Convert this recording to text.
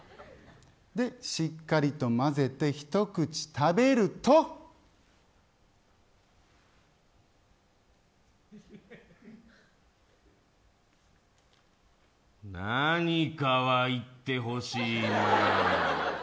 しっかりとまぜて一口食べると何かは言ってほしいな。